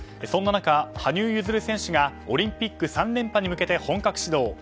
そんな中、羽生結弦選手がオリンピック３連覇に向けて本格始動。